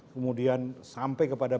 kemudian sampai kepada